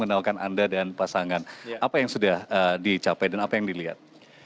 apa yang sudah dicapai dan apa yang dilihat